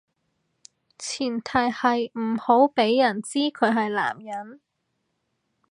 前提係唔好畀人知佢係男人